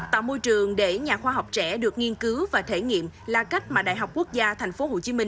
tạo môi trường để nhà khoa học trẻ được nghiên cứu và thể nghiệm là cách mà đại học quốc gia tp hcm